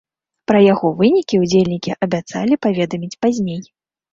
Пра яго вынікі ўдзельнікі абяцалі паведаміць пазней.